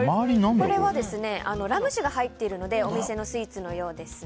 これはラム酒が入っているのでお店のスイーツのようですね。